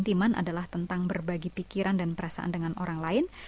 sentiman adalah tentang berbagi pikiran dan perasaan dengan orang lain